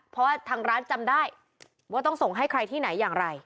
เพราะว่าทางร้านจำได้ว่าต้องส่งให้ใครที่ไหนอย่างไร